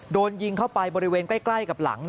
โดนยิงเข้าไปบริเวณใกล้กับหลัง